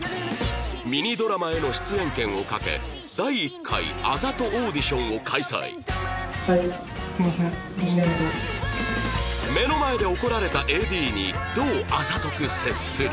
ミニドラマへの出演権をかけ第１回あざとオーディションを開催目の前で怒られた ＡＤ にどうあざとく接する？